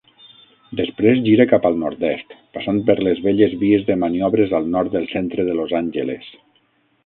Després gira cap al nord-est, passant per les velles vies de maniobres al nord del centre de Los Angeles.